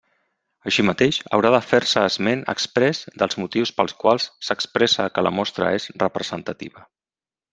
Així mateix, haurà de fer-se esment exprés dels motius pels quals s'expressa que la mostra és representativa.